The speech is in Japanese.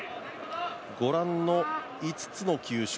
御覧の５つの球種。